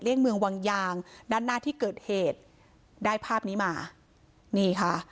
เมืองวังยางด้านหน้าที่เกิดเหตุได้ภาพนี้มานี่ค่ะ